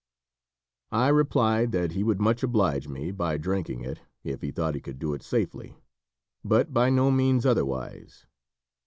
I replied that he would much oblige me by drinking it, if he thought he could do it safely, but by no means otherwise.